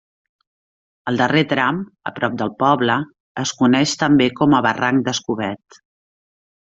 El darrer tram, a prop del poble, es coneix també com a barranc d'Escobet.